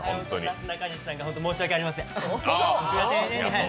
なすなかにしさんが本当に申し訳ありません。